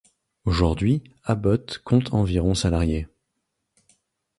Aujourd'hui, Abbott compte environ salariés.